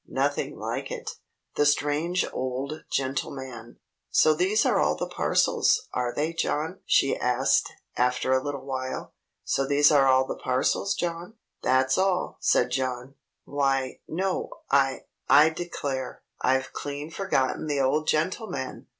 Nothing like it. The Strange Old Gentleman "So these are all the parcels, are they, John?" she asked, after a little while; "so these are all the parcels, John?" "That's all," said John. "Why no I I declare I've clean forgotten the old gentleman!"